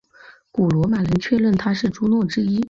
古罗马人确认她是朱诺之一。